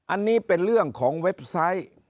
อันนี้เป็นเรื่องของเว็บไซต์